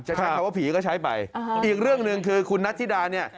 ใช้คำว่าผีก็ใช้ไปอีกเรื่องหนึ่งคือคุณนัทธิดาเนี่ย